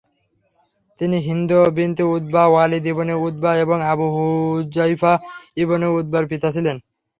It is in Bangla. তিনি Hind binte Utbah, Walid ibne Utbah এবং আবু হুযাইফা ইবন উতবার পিতা ছিলেন।